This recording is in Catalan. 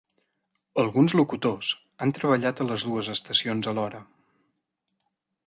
Alguns locutors han treballat a les dues estacions a l'hora.